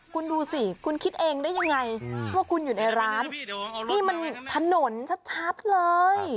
คุณดูสิคุณคิดเองได้ยังไงว่าคุณอยู่ในร้านนี่มันถนนชัดเลย